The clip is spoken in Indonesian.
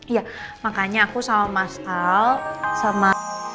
iya makanya aku sama mas al sama